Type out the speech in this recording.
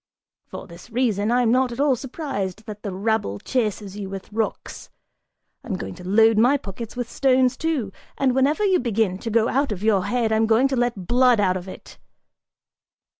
For this reason, I'm not at all surprised that the rabble chases you with rocks. I'm going to load my pockets with stones, too, and whenever you begin to go out of your head, I'm going to let blood out of it!"